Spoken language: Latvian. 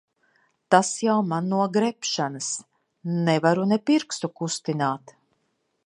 Tas jau man no grebšanas. Nevaru ne pirkstu kustināt.